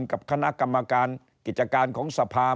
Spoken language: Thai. กับคณะกรรมการกิจการของสภา